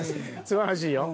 すばらしいよ。